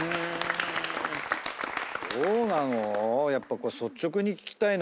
どうなの？